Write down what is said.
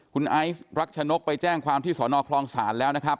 คุณไอซ์รักชนกไปแจ้งความที่สอนอคลองศาลแล้วนะครับ